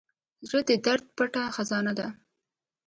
زړه د درد پټه خزانه ده.